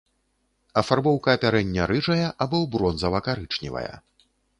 Афарбоўка апярэння рыжая або бронзава-карычневая.